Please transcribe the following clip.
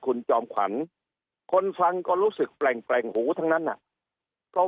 คุณจอมขวัญคนฟังก็รู้สึกแปลงหูทั้งนั้นเขา